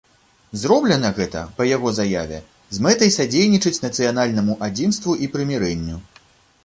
Зроблена гэта, па яго заяве, з мэтай садзейнічаць нацыянальнаму адзінству і прымірэнню.